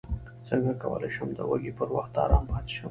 څنګه کولی شم د وږي پر وخت ارام پاتې شم